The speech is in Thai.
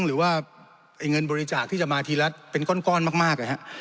หรือว่าเงินบริจาคที่จะมาทีละเป็นก้อนมาก